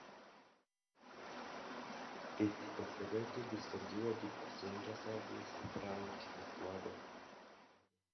It operated scheduled passenger services throughout Ecuador.